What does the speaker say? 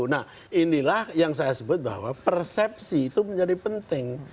nah inilah yang saya sebut bahwa persepsi itu menjadi penting